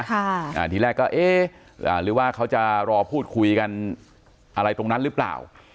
ทีแรกก็เอ๊ะหรือว่าเขาจะรอพูดคุยกันอะไรตรงนั้นหรือเปล่า